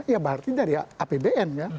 ya berarti dari apbn